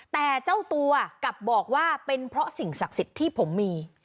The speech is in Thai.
แต่เจ้าตัวกลับบอกว่าเป็นเพราะสิ่งศักดิ์สิทธิ์ที่ผมมี